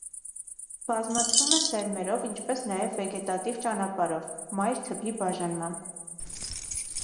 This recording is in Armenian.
Բազմացվում է սերմերով, ինչպես նաև վեգետատիվ ճանապարհով՝ մայր թփի բաժանմամբ։